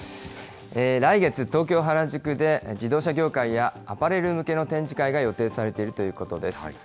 来月、東京・原宿で自動車業界や、アパレル向けの展示会が予定されているということです。